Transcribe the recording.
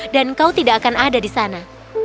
dan kau tidak akan ada di sana